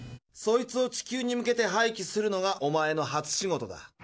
そいつを地球に向けてはいきするのがおまえの初仕事だ。